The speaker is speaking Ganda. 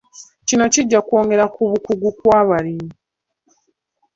Kino kijja kwongera ku bukugu kw'abalimi.